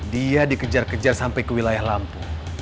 dia dikejar kejar sampai ke wilayah lampung